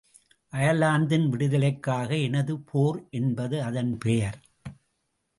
அயர்லாந்தின் விடுதலைக்காக எனது போர் என்பது அதன் பெயர்.